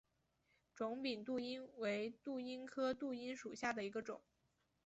肿柄杜英为杜英科杜英属下的一个种。